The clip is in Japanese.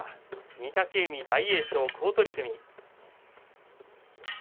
御嶽海、大栄翔、好取組。